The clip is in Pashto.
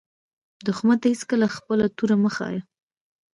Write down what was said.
دښمن ته هېڅکله خپله توره مه ښایه